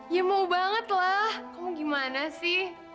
ya mau banget lah kok mau gimana sih